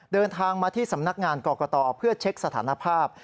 เดินทางมาที่สำนักงานกรกตเพื่อเช็คสถานภาพ